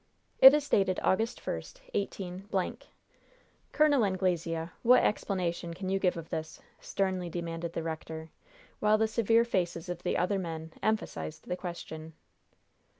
It is dated August 1, 18 . Col. Anglesea, what explanation can you give of this?" sternly demanded the rector, while the severe faces of the other men emphasized the question.